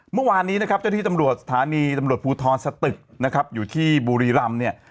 เมื่อวานนี้เจ้าที่ตำรวจสถานีตำรวจภูทรสตึกอยู่ที่บุรีรำ